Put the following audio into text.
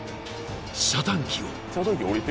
［遮断機を］